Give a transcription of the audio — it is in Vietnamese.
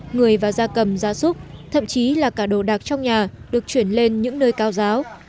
người và da cầm da súc thậm chí là cả đồ đạc trong nhà được chuyển lên những nơi cao giáo